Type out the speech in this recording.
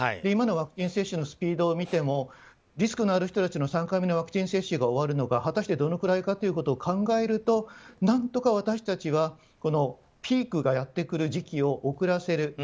今のワクチン接種のスピードを見てもリスクのある人たちの３回目のワクチン接種が終わるのが果たしてどのくらいかということを考えると何とか、私たちはピークがやってくる時期を遅らせる。